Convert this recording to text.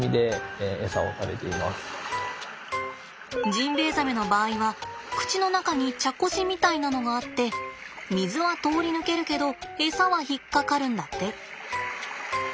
ジンベエザメの場合は口の中に茶こしみたいなのがあって水は通り抜けるけどエサは引っ掛かるんだって。